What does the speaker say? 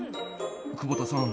久保田さん